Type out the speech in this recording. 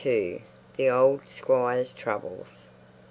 THE OLD SQUIRE'S TROUBLES.